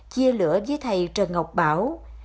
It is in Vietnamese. chia lửa với thầy trần ngọc bảo